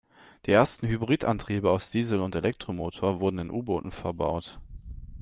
Die ersten Hybridantriebe aus Diesel- und Elektromotor wurden in U-Booten verbaut.